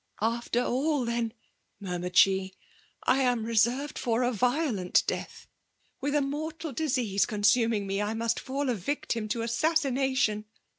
" After all, then/' murmured she, *' i am teservcd for a violent death !— ^With a mortal disease consuming me, I must fall a victim' to assassination